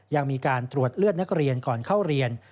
ยังมีการตรวจเลือดนักเรียนก่อนเข้าเรียน